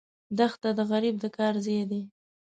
دښته د غریب د کار ځای ده.